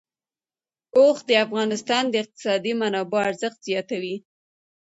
اوښ د افغانستان د اقتصادي منابعو ارزښت زیاتوي.